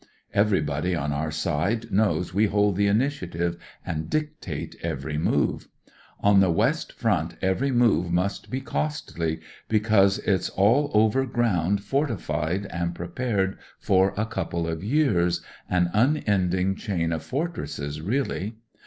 Everybody on our side knows we hold the initiative and dictate every move. On the west front every move must be costly because ■ 'i A COOL CANADIAN 169 it*s all over ground fortified and prepared for a couple of years — an unending chain of fortresses really.